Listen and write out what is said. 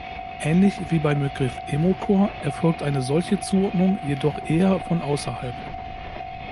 Ähnlich wie beim Begriff "Emocore" erfolgt eine solche Zuordnung jedoch eher von außerhalb.